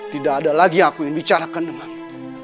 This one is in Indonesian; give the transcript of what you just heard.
tidak ada lagi aku yang bicarakan denganmu